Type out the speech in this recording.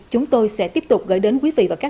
chúng tôi sẽ tiếp tục gửi đến quý vị và các bạn